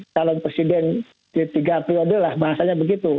calon presiden di tiga periode lah bahasanya begitu